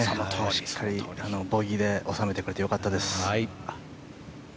しっかりボギーで収めてくれて良かったです。